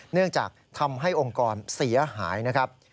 เนื่องจากทำให้องค์กรเสียหายนะครับ